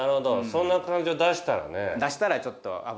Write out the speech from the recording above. そんな感情出したらね。